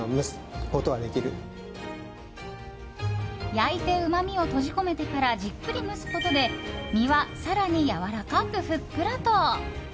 焼いてうまみを閉じ込めてからじっくり蒸すことで身は更にやわらかくふっくらと。